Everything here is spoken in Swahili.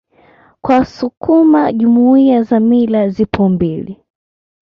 Kwa wasukuma Jumuiya za mila zipo mbili